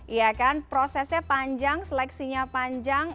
iya kan prosesnya panjang seleksinya panjang